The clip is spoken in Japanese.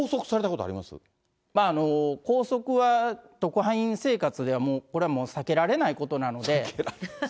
まあ、拘束は特派員生活では、もうこれはもう避けられないことなので。